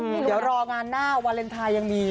เดี๋ยวรองานหน้าวาเลนไทยยังมี